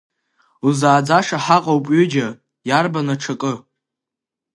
Узааӡаша ҳаҟоуп ҩыџьа, иарбан аҽакы?